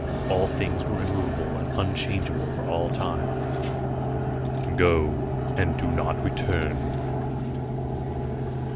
All things were immovable and unchangeable for all time. "Go, and do not return."